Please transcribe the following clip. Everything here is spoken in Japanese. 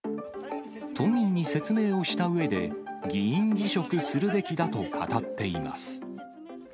都民に説明をしたうえで、議員辞職するべきだと語っています。